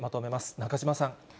中島さん。